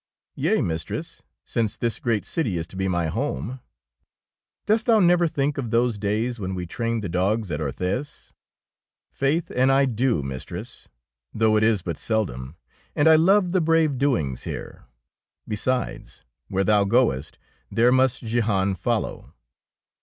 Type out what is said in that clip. '^ "Yea, mistress, since this great city is to be my home.'^ 38 THE ROBE OF THE DUCHESS "Dost thou never think of those days when we trained the dogs at Orthez?'' " Faith an' I do, mistress, though it is but seldom, and I love the brave do ings here. Besides, where thou goest, there must Jehan follow.